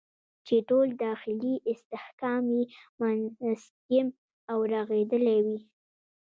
چې ټول داخلي استحکام یې منسجم او رغېدلی وي.